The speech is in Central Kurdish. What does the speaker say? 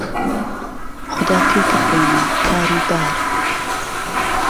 خودا پێکت بێنێ کار و بار